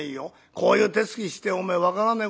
こういう手つきしておめえ分からねえことねえだろ。